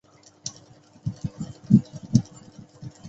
霍亨波尔丁格是德国巴伐利亚州的一个市镇。